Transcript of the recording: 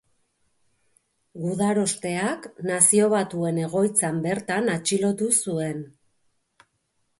Gudarosteak Nazio Batuen egoitzan bertan atxilotu zuen.